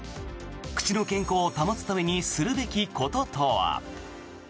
口の健康を保つためにするべきこととは。